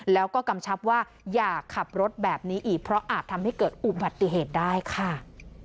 แล้วก็กำชับว่าอย่าขับรถแบบนี้อีกเพราะอาจทำให้เกิดอุบัติเหตุได้ค่ะ